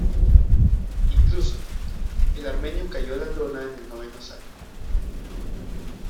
Incluso, el armenio cayó a la lona en el noveno asalto.